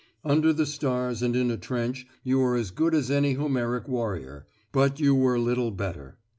Under the stars and in a trench you were as good as any Homeric warrior; but you were little better.